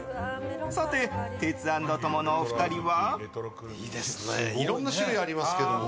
さてテツａｎｄトモのお二人は。